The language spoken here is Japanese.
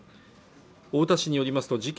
太田市によりますと事件